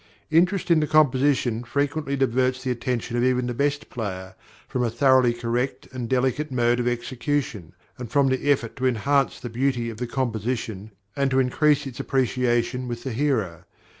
Interest in the composition frequently diverts the attention of even the best player from a thoroughly correct and delicate mode of execution, and from the effort to enhance the beauty of the composition, and to increase its appreciation with the hearer.